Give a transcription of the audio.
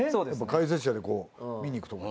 解説者でこう見に行くとこが違う。